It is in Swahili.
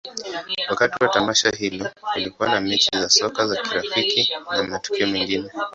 Wakati wa tamasha hilo, kulikuwa na mechi za soka za kirafiki na matukio mengine.